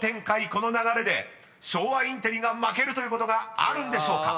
この流れで昭和インテリが負けるということがあるんでしょうか⁉］